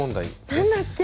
何だっけ？